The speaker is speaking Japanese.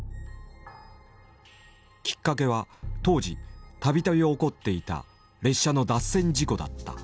きっかけは当時たびたび起こっていた列車の脱線事故だった。